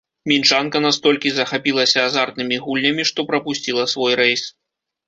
Мінчанка настолькі захапілася азартнымі гульнямі, што прапусціла свой рэйс.